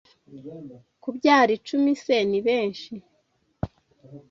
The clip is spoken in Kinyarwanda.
kubyara icumi se ni benshi